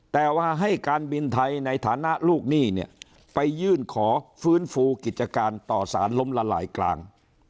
แต่ว่าให้การบินไทยในฐานะลูกหนี้เนี่ยไปยื่นขอฟื้นฟูกิจการต่อสารล้มละลายกลาง